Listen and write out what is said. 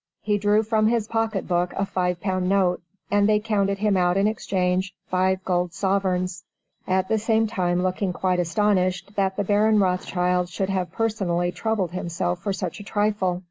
He drew from his pocket book a five pound note, and they counted him out in exchange five gold sovereigns, at the same time looking quite astonished that the Baron Rothschild should have personally troubled himself for such a trifle.